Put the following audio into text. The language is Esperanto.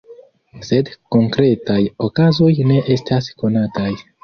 Sed konkretaj okazoj ne estas konataj.